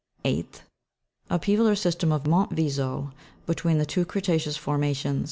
8th, or system of Mont Viso, between the two creta'ceous formations.